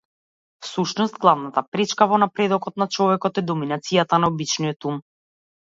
Всушност главната пречка во напредокот на човекот е доминацијатата на обичниот ум.